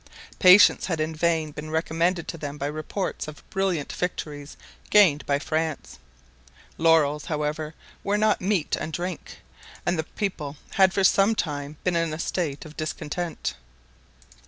Patience had in vain been recommended to them by reports of brilliant victories gained by France; laurels, however, were not meat and drink, and the people had for some time been in a state of discontent.